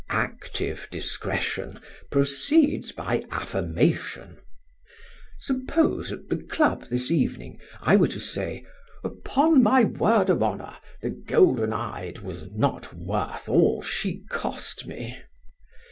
Active discretion proceeds by affirmation. Suppose at the club this evening I were to say: 'Upon my word of honor the golden eyed was not worth all she cost me!